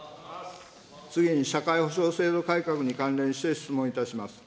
次に社会保障制度改革に関連して質問いたします。